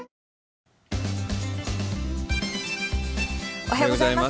おはようございます。